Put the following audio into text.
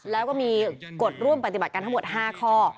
แล้วก็มีกฎร่วมปฏิบัติกันทั้งหมด๕ข้อ